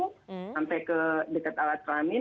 sampai ke dekat alat kelamin